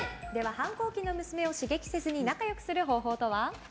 反抗期の娘を刺激せずに仲良くする方法とは？